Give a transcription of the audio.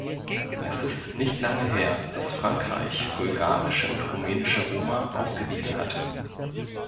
Es ist nicht lange her, dass Frankreich bulgarische und rumänische Roma ausgewiesen hat.